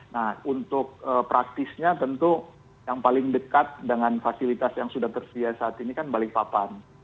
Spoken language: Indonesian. nah untuk praktisnya tentu yang paling dekat dengan fasilitas yang sudah tersedia saat ini kan balikpapan